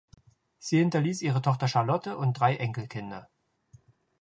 Sie hinterließ ihre Tochter Charlotte und drei Enkelkinder.